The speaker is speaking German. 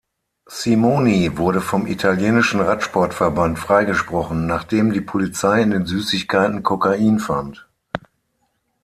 Simoni wurde vom italienischen Radsportverband freigesprochen, nachdem die Polizei in den Süßigkeiten Kokain fand.